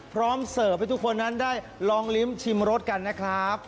เสิร์ฟให้ทุกคนนั้นได้ลองลิ้มชิมรสกันนะครับ